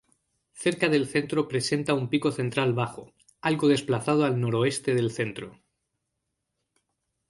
Cerca del centro presenta un pico central bajo, algo desplazado al noroeste del centro.